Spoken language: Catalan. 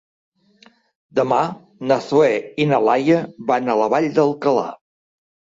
Demà na Zoè i na Laia van a la Vall d'Alcalà.